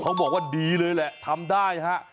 เขาบอกว่าดีเลยแหละทำได้นะครับ